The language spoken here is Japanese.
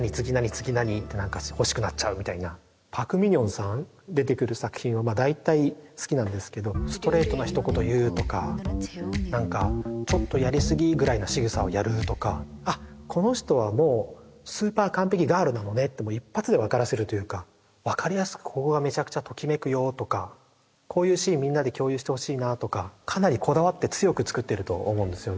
次何？って何か欲しくなっちゃうみたいなパク・ミニョンさん出てくる作品は大体好きなんですけどストレートな一言言うとか何かちょっとやりすぎぐらいな仕草をやるとかあっこの人はもうスーパー完璧ガールなのねって一発で分からせるというか分かりやすくここがめちゃくちゃときめくよとかこういうシーンみんなで共有してほしいなあとかかなりこだわって強く作ってると思うんですよね